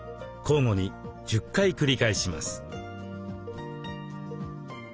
交互に１０回繰り返します。